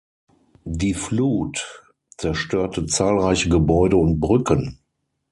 Die Flut zerstörte zahlreiche Gebäude und Brücken.